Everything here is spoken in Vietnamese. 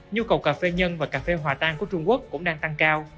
nhu cầu cà phê nhân và cà phê hòa tan của trung quốc cũng đang tăng cao